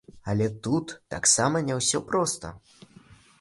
Але тут таксама не ўсё проста.